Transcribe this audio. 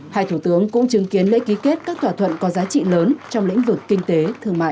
hai thủ tướng cũng chứng kiến lễ ký kết các thỏa thuận có giá trị lớn trong lĩnh vực kinh tế thương mại